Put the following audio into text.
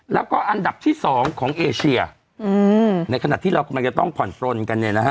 แล้วก็อันดับที่สองของเอเชียในขณะที่เรากำลังจะต้องผ่อนปลนกันเนี่ยนะฮะ